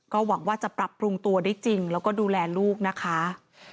หวังว่าจะปรับปรุงตัวได้จริงแล้วก็ดูแลลูกนะคะ